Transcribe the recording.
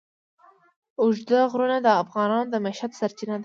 اوږده غرونه د افغانانو د معیشت سرچینه ده.